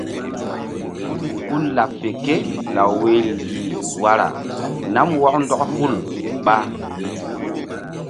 Ku laɓ fe ké law woyri yih wara nam wɔk ndɔk hul ɓa.